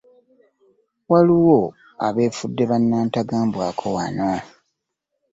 Waliwo abeefudde bannantagambwako wano.